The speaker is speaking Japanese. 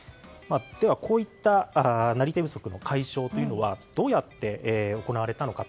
こういったなり手不足の解消というのはどうやって行われたのか。